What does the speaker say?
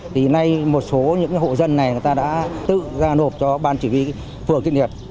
từ nay một số hộ dân này đã tự giao nộp cho ban chỉ huy phường thịnh liệt